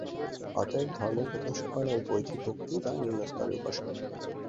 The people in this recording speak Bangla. অতএব ধর্মের প্রথম সোপান এই বৈধী ভক্তি বা নিম্নস্তরের উপাসনা।